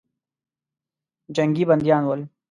جنګي بندیان ول.